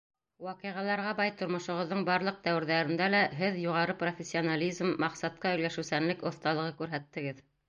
Ваҡиғаларға бай тормошоғоҙҙоң барлыҡ дәүерҙәрендә лә Һеҙ юғары профессионализм, маҡсатҡа өлгәшеүсәнлек оҫталығы күрһәттегеҙ.